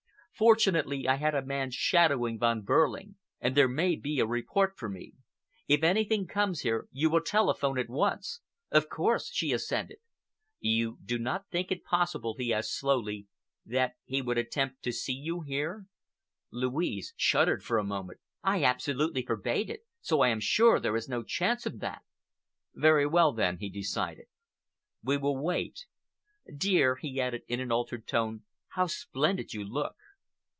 Fortunately, I had a man shadowing Von Behrling, and there may be a report for me. If anything comes here, you will telephone at once?" "Of course," she assented. "You do not think it possible," he asked slowly, "that he would attempt to see you here?" Louise shuddered for a moment. "I absolutely forbade it, so I am sure there is no chance of that." "Very well, then," he decided, "we will wait. Dear," he added, in an altered tone, "how splendid you look!"